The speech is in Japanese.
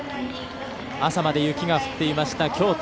朝まで雪が降っていました京都。